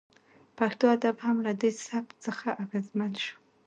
پښتو ادب هم له دې سبک څخه اغیزمن شو